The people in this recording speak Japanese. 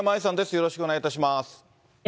よろしくお願いします。